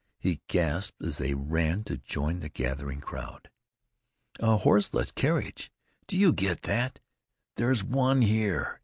He gasped as they ran to join the gathering crowd. "A horseless carriage! Do you get that? There's one here!"